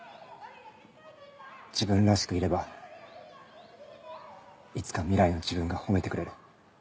自分らしくいればいつか未来の自分が褒めてくれる。